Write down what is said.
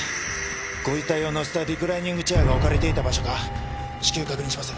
ご遺体をのせたリクライニングチェアが置かれていた場所か至急確認します。